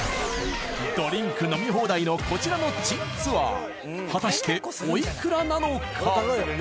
ドリンク飲み放題のこちらの珍ツアー果たしてお幾らなのか？